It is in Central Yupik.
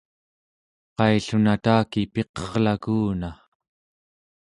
qaillun ataki piqerlaku una